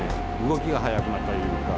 動きが速くなったりとか。